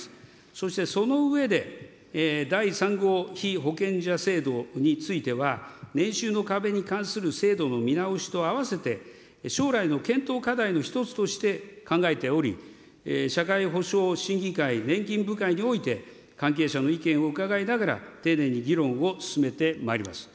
そしてその上で、第３号被保険者制度については、年収の壁に関する制度の見直しと合わせて、将来の検討課題の一つとして考えており、社会保障審議会、年金部会において関係者の意見をうかがいながら、丁寧に議論を進めてまいります。